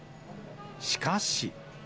しかし。